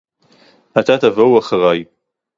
עַתָּה תָּבוֹאוּ אַחֲרַי.